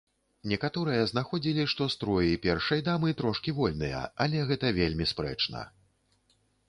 Некаторыя знаходзілі, што строі першай дамы трошкі вольныя, але гэта вельмі спрэчна.